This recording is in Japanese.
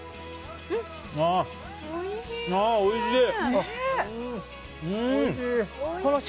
ああ、おいしい！